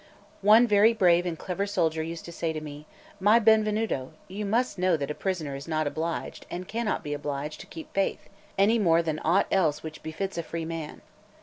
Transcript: One very brave and clever soldier used to say to me: "My Benvenuto, you must know that a prisoner is not obliged, and cannot be obliged, to keep faith, any more than aught else which befits a free man.